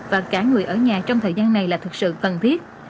và cả người ở nhà trong thời gian này là thực sự cần thiết